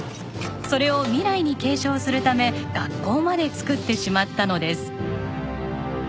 それを未来に継承するため学校まで作ってしまったのです。